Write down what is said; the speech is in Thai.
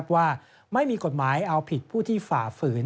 ว่าไม่มีกฎหมายเอาผิดผู้ที่ฝ่าฝืน